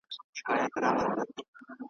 غویی په منطق نه پوهېږي .